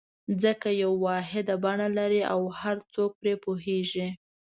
ځکه یوه واحده بڼه لري او هر څوک پرې پوهېږي.